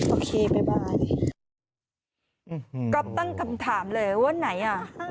โอเคบ๊ายบายก็ตั้งคำถามเลยว่าไหนอ่ะ